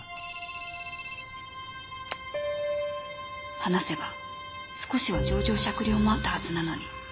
話せば少しは情状酌量もあったはずなのに。